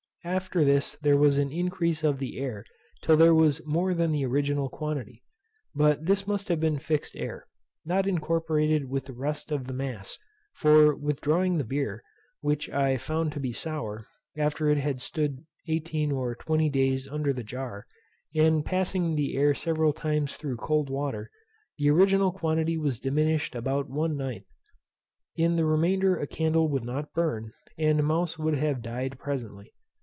After this there was an increase of the air till there was more than the original quantity; but this must have been fixed air, not incorporated with the rest of the mass; for, withdrawing the beer, which I found to be sour, after it had stood 18 or 20 days under the jar, and passing the air several times through cold water, the original quantity was diminished about one ninth. In the remainder a candle would not burn, and a mouse would have died presently.